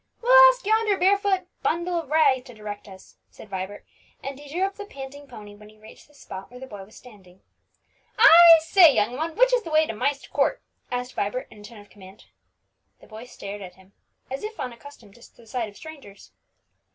"We'll ask yonder bare footed bundle of rags to direct us," said Vibert, and he drew up the panting pony when he reached the spot where the boy was standing. "I say, young one, which is the way to Myst Court?" asked Vibert in a tone of command. The boy stared at him, as if unaccustomed to the sight of strangers.